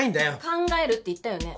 考えるって言ったよね？